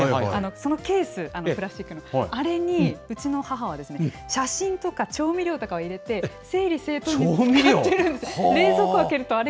そのケース、プラスチックの、あれにうちの母は、写真とか調味料とかを入れて、整理整頓に使って調味料？